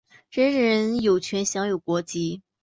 人人有权享有国籍。